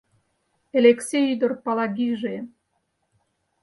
Элексе ӱдыр Палагийже